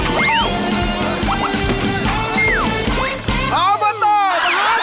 ออปาตอร์มหาสนุก